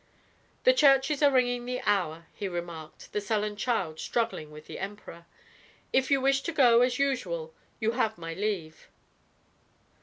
"The churches are ringing the hour," he remarked, the sullen child struggling with the Emperor. "If you wish to go, as usual, you have my leave."